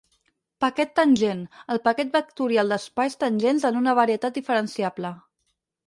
Paquet tangent, el paquet vectorial d'espais tangents en una varietat diferenciable.